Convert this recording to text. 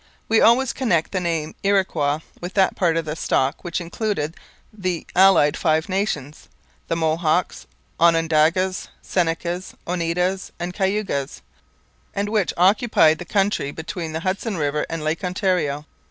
We always connect the name Iroquois with that part of the stock which included the allied Five Nations the Mohawks, Onondagas, Senecas, Oneidas, and Cayugas, and which occupied the country between the Hudson river and Lake Ontario.